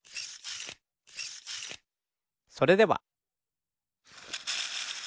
それでは。